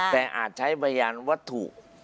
แต่อาจใช้พยานวัตถุ